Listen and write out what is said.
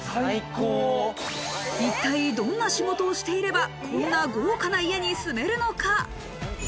一体どんな仕事をしていれば、こんな豪華な家に住めるのか。